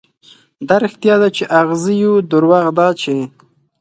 دا رښتيا ده، چې اغزي يو، دروغ دا چې